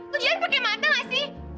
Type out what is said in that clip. lo jalan pakai mata gak sih